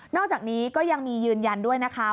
อกจากนี้ก็ยังมียืนยันด้วยนะคะ